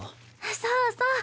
そうそう。